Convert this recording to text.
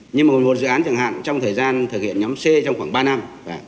nhưng mà một dự án chẳng hạn trong thời gian thực hiện nhóm c trong khoảng ba năm